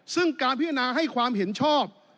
ซึ่งการพิจารณาให้ความเห็นชอบ